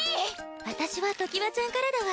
私はときわちゃんからだわ。